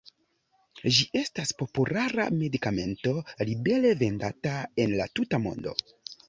Ĝi estas populara medikamento libere vendata en la tuta mondo.